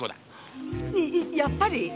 やっぱり？